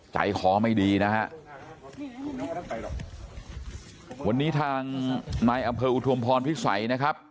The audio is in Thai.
ใจคอไม่ดีนะฮะวันนี้ทางนายอำเภออุทุมพรพิสัยนะครับ